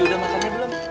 udah makannya belum